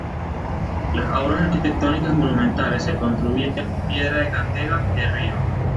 Las obras arquitectónicas monumentales se construían con piedra de cantera y de río.